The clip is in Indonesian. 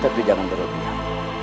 tapi jangan berlutih